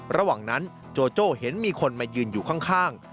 ระหว่างนั้นโจโจ้เห็นมีคนมายืนอยู่ข้าง